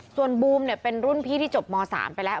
ส่วนบูมเป็นรุ่นพี่ที่จบม๓ไปแล้ว